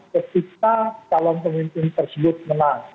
ketika calon pemimpin tersebut menang